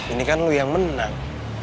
ini kan lo yang menang